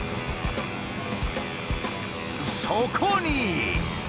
そこに。